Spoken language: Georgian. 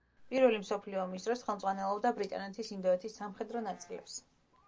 პირველი მსოფლიო ომის დროს ხელმძღვანელობდა ბრიტანეთის ინდოეთის სამხედრო ნაწილებს.